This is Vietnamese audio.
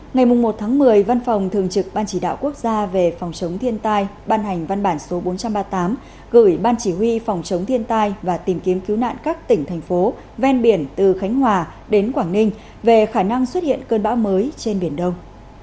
ngày một một mươi văn phòng thường trực ban chỉ đạo quốc gia về phòng chống thiên tai ban hành văn bản số bốn trăm ba mươi tám gửi ban chỉ huy phòng chống thiên tai và tìm kiếm cứu nạn các tỉnh thành phố ven biển từ khánh hòa đến quảng ninh về khả năng xuất hiện cơn bão mới trên biển đông